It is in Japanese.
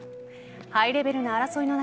ハイレベルな争いの中